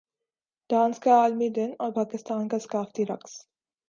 dance کا عالمی دن اور پاکستان کے ثقافتی رقص